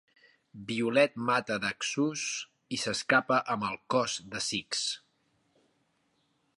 Violet mata Daxus i s'escapa amb el cos de Six.